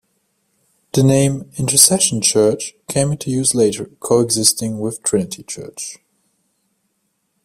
The name "Intercession Church" came into use later, coexisting with Trinity Church.